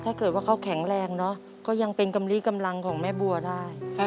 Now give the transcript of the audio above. ถ้าเกิดว่าเขาแข็งแรงเนอะก็ยังเป็นกำลีกำลังของแม่บัวได้